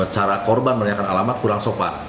cara korban menanyakan alamat kurang sopan